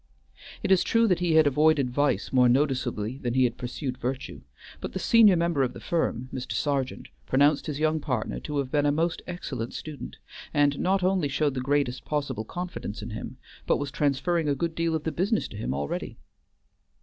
It is true that he had avoided vice more noticeably than he had pursued virtue; but the senior member of the firm, Mr. Sergeant, pronounced his young partner to have been a most excellent student, and not only showed the greatest possible confidence in him, but was transferring a good deal of the business to him already.